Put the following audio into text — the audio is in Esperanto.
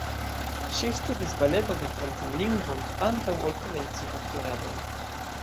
Ŝi studis baleton kaj francan lingvon antaŭ ol komenci aktoradon.